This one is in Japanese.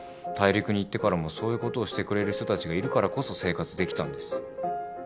大陸に行ってからもそういうことをしてくれる人たちがいるからこそ生活できたんです。